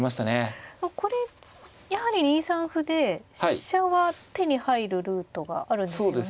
これやはり２三歩で飛車は手に入るルートがあるんですよね